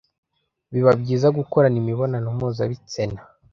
Biba byiza gukorana imibonano mpuzabitsena